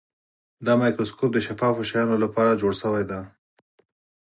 دا مایکروسکوپ د شفافو شیانو لپاره جوړ شوی دی.